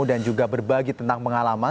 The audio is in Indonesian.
juga berbagi tentang pengalaman